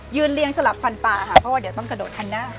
เรียงสลับฟันปลาค่ะเพราะว่าเดี๋ยวต้องกระโดดคันหน้า